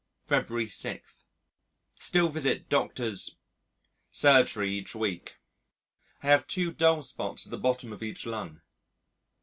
February 6. Still visit Dr. 's surgery each week. I have two dull spots at the bottom of each lung.